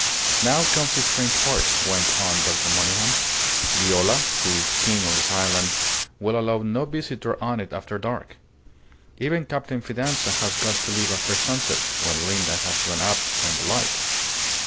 "Now comes the strange part," went on Dr. Monygham. "Viola, who is king on his island, will allow no visitor on it after dark. Even Captain Fidanza has got to leave after sunset, when Linda has gone up to tend the light.